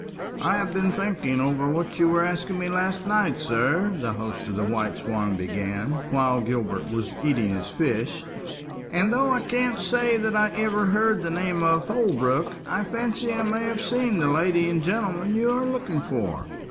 "I have been thinking over what you were asking me last night, sir," the host of the White Swan began, while Gilbert was eating his fish; "and though I can't say that I ever heard the name of Holbrook, I fancy I may have seen the lady and gentleman you are looking for."